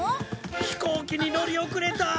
飛行機に乗り遅れた！